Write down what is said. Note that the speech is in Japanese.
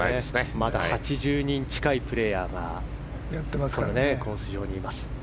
まだ８０人近いプレーヤーがコース上にいます。